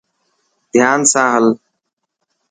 ڌيان سان هل.